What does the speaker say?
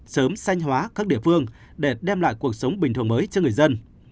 sớm sanh hóa các địa phương để đem lại cuộc sống bình thường mới cho người dân